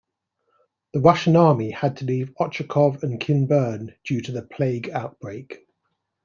The Russian Army had to leave Ochakov and Kinburn due to the plague outbreak.